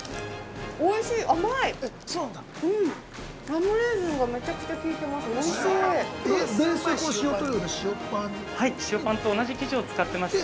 ◆ラムレーズンがめちゃくちゃ効いてます。